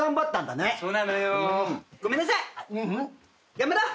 頑張ろう。